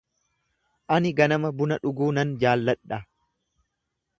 Ani ganama buna dhuguu nan jaalladha.